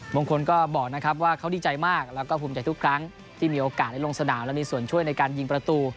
บางคนก็บอกนะครับว่าเขาดีใจมากแล้วก็ภูมิใจทุกครั้งที่มีโอกาสได้ลงสนามและมีส่วนช่วยในการยิงประตู